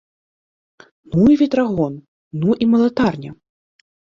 Ну і ветрагон, ну і малатарня!